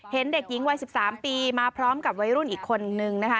เห็นเด็กหญิงวัย๑๓ปีมาพร้อมกับวัยรุ่นอีกคนนึงนะคะ